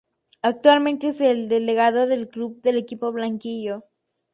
Actualmente es el de delegado de club del equipo blanquillo.